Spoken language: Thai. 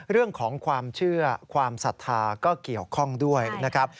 เรื่องของความเชื่อความศรัทธาก็เกี่ยวข้องด้วยนะครับ